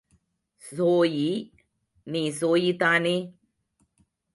Zoe, நீ Zoe தானே!